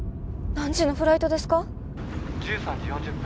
何時のフライトですか？